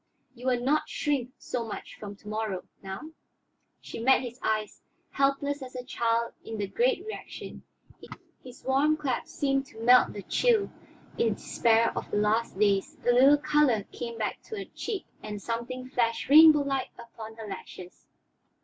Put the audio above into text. You will not shrink so much from to morrow, now?" She met his eyes, helpless as a child in the great reaction; his warm clasp seemed to melt the chill despair of the last days, a little color came back to her cheek and something flashed rainbow like upon her lashes.